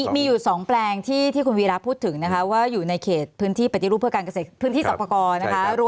มีอยู่๒แปลงที่คุณวีระพูดถึงนะคะว่าอยู่ในเขตพื้นที่ปฏิรูปเพื่อการเกษตรพื้นที่สรรพากรนะคะ